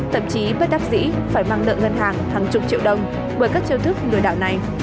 thậm chí bất đắc dĩ phải mang nợ ngân hàng hàng chục triệu đồng bởi các chiêu thức lừa đảo này